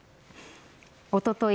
おととい